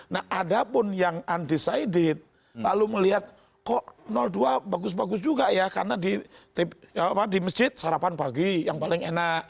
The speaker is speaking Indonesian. nah ada pun yang undecided lalu melihat kok dua bagus bagus juga ya karena di masjid sarapan pagi yang paling enak